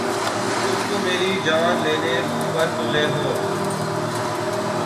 تم تو میری جان لینے پر تُلے ہو